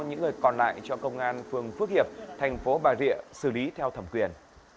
những người còn lại cho công an phường phước hiệp thành phố bà rịa xử lý theo thẩm quyền